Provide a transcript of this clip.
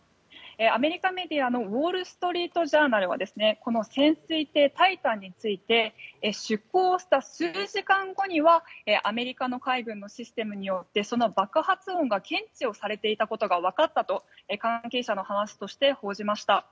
アメリカメディアのウォール・ストリート・ジャーナルはこの潜水艇「タイタン」について出航をした数時間後にはアメリカの海軍のシステムによって爆発音が検知をされていたことがわかったと関係者の話として報じました。